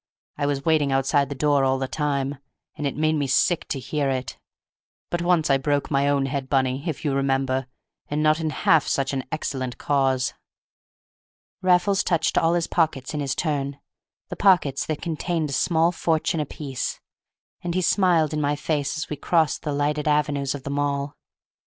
I was waiting outside the door all the time, and it made me sick to hear it. But I once broke my own head, Bunny, if you remember, and not in half such an excellent cause!" Raffles touched all his pockets in his turn, the pockets that contained a small fortune apiece, and he smiled in my face as we crossed the lighted avenues of the Mall.